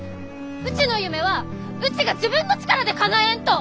うちの夢はうちが自分の力でかなえんと！